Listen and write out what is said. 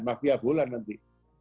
mafia bulan nanti